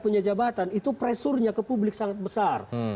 punya jabatan itu pressure nya ke publik sangat besar